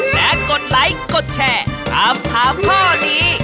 และกดไลค์กดแชร์ถามถามข้อนี้